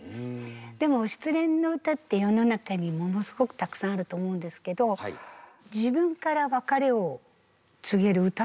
でも失恋の歌って世の中にものすごくたくさんあると思うんですけどそうなんですね。